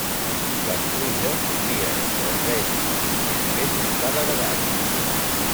Les truges crien entre tres i sis porcells cada vegada.